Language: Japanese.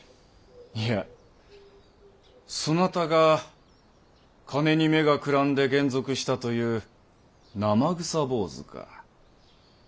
いやそなたが金に目がくらんで還俗したという生臭坊主か。